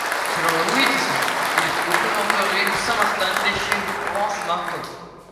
Selon Louis Tesson, il représenterait Saint Martin déchirant son manteau.